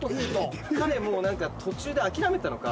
彼もう何か途中で諦めたのか。